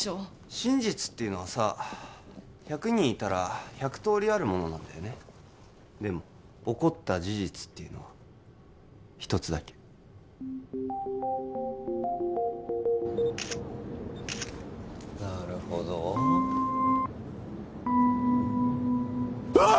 真実っていうのはさ１００人いたら１００通りあるものなんだよねでも起こった事実っていうのは一つだけなるほどうわッ！